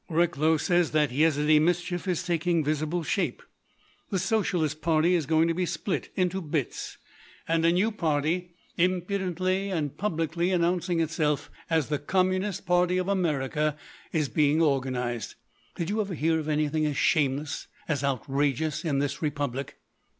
"Recklow says that Yezidee mischief is taking visible shape. The Socialist Party is going to be split into bits and a new party, impudently and publicly announcing itself as the Communist Party of America, is being organised. Did you ever hear of anything as shameless—as outrageous—in this Republic?"